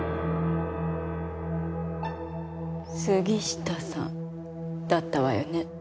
杉下さんだったわよね？